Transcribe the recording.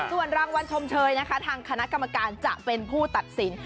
ส่วนรางวัลชมเชยนะคะทางคณะกรรมการจะเป็นผู้ตัดสิน